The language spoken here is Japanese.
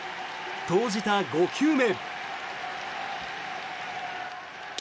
投じた５球目。